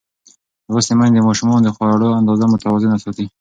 لوستې میندې د ماشومانو د خوړو اندازه متوازنه ساتي.